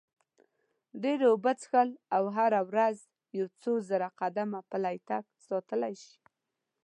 ډېرې اوبه څښل او هره ورځ یو څو زره قدمه پلی تګ ساتلی شي.